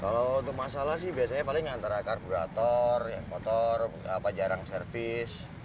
kalau untuk masalah sih biasanya paling antara karburator kotor jarang servis